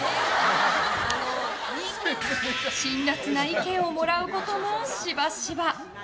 辛辣な意見をもらうこともしばしば。